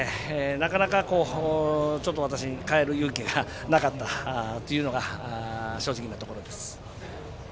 なかなか私に代える勇気がなかったというのが正直なところです。